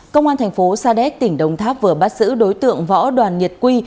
công an thành phố sa đéc tỉnh đồng tháp vừa bắt giữ đối tượng võ đoàn nhiệt quy